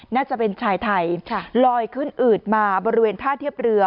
น่าจะเป็นชายไทยลอยขึ้นอืดมาบริเวณท่าเทียบเรือ